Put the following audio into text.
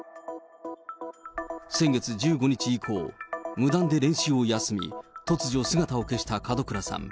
先月１５日以降、無断で練習を休み、突如姿を消した門倉さん。